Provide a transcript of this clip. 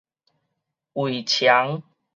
圍場